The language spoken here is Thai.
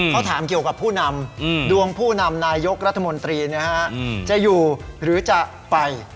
เขาถามเกี่ยวกับผู้นำดวงผู้นำนายกรัฐมนตรีจะอยู่หรือจะไป